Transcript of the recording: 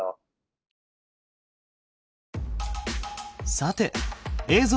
さて映像